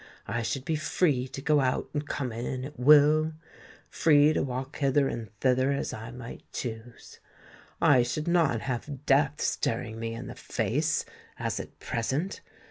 I should be free to go out and come in at will—free to walk hither and thither as I might choose. I should not have death staring me in the face, as at present!